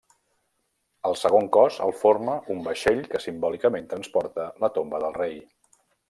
El segon cos el forma un vaixell que simbòlicament transporta la tomba del rei.